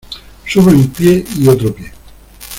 sube un pie y otro pie.